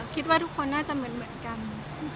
คิดว่าทุกคนน่าจะเหมือนกัน